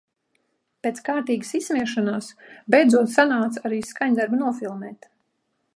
Pēc kārtīgas izsmiešanās, beidzot sanāca arī skaņdarbu nofilmēt.